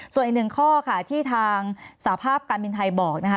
ส่วนอีกหนึ่งข้อค่ะที่ทางสภาพการบินไทยบอกนะคะ